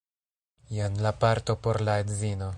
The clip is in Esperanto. jen la parto por la edzino